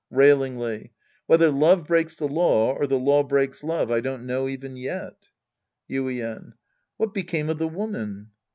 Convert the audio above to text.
{Railingly.) Whether love breaks the law, or the law breaks love, I don't know even yet. Yuien. What became of the woman